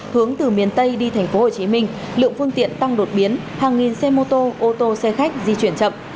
hướng từ miền tây đi thành phố hồ chí minh lượng phương tiện tăng đột biến hàng nghìn xe mô tô ô tô xe khách di chuyển chậm